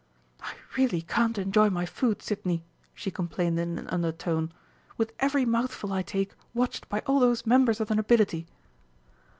"I really can't enjoy my food, Sidney," she complained in an undertone, "with every mouthful I take watched by all those members of the nobility!"